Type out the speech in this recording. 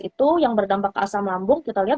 itu yang berdampak ke asam lambung kita lihat